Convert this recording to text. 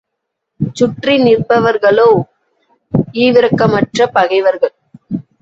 சுற்றி நிற்பவர்களோ ஈவிரக்கமற்ற பகைவர்கள்.